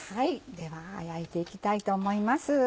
では焼いていきたいと思います。